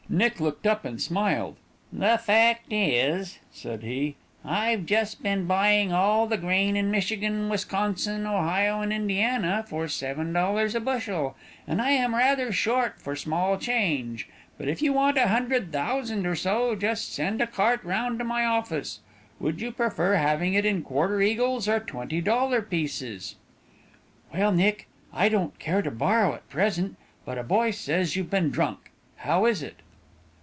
Nick looked up and smiled. "The fact is," said he, "I've just been buying all the grain in Michigan, Wisconsin, Ohio, and Indiana for $7 a bushel, and I am rather short for small change, but if you want a hundred thousand or so, just send a cart round to my office. Would you prefer having it in quarter eagles or twenty dollar pieces?" "Well, Nick, I don't care to borrow at present, but a boy says you've been drunk. How is it?"